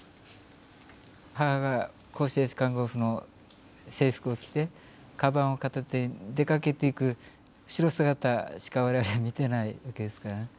母が公衆衛生看護婦の制服を着てかばんを片手に出かけていく後ろ姿しか我々は見てないですから。